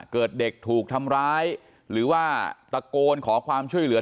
เกิดเด็กถูกทำร้ายหรือว่าตะโกนขอความช่วยเหลือ